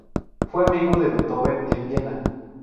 Fue amigo de Beethoven en Viena.